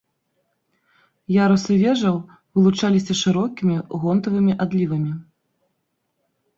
Ярусы вежаў вылучаліся шырокімі гонтавымі адлівамі.